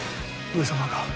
上様が。